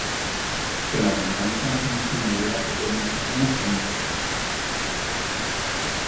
Que la venganza no es una idea que promocionemos en mi planeta .